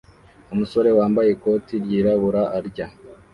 Umusore wambaye ikoti ryirabura arya